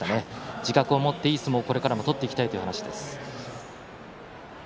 自覚を持っていい相撲をこれからも取っていきたいと話しています。